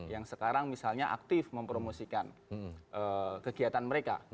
yang sekarang misalnya aktif mempromosikan kegiatan mereka